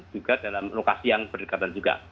juga dalam lokasi yang berdekatan juga